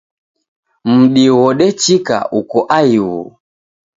Mudi ghodechika uko aighu